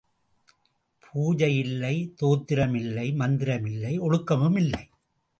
பூஜை யில்லை, தோத்திர மில்லை, மந்திர மில்லை, ஒழுக்கமில்லை.